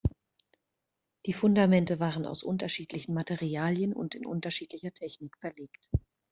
Die Fundamente waren aus unterschiedlichen Materialien und in unterschiedlicher Technik verlegt.